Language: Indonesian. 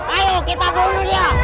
ayo kita bunuh dia